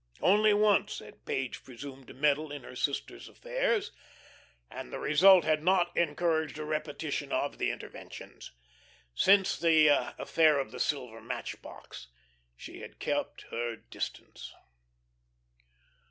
Only once had Page presumed to meddle in her sister's affairs, and the result had not encouraged a repetition of the intervention. Since the affair of the silver match box she had kept her distance.